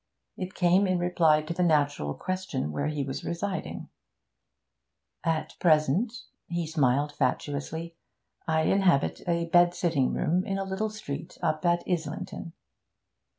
It came in reply to the natural question where he was residing. 'At present' he smiled fatuously 'I inhabit a bed sitting room in a little street up at Islington.'